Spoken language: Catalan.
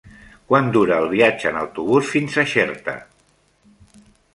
Quant dura el viatge en autobús fins a Xerta?